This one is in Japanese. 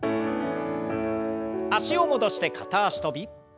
脚を戻して片脚跳び。